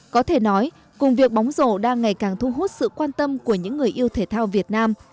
có thể nói cùng việc bóng rổ đang ngày càng thu hút sự quan tâm của những người yêu thể thao việt nam